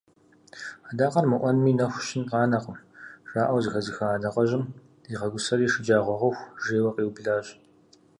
«Адакъэр мыӏуэми нэху щын къанэкъым» жаӏэу зэхэзыха адэкъэжьым зигъэгусэри шэджагъуэ хъуху жейуэ къиублащ.